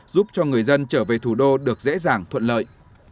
giúp cho người dân trở về thủ đô được dễ dàng thuận lợi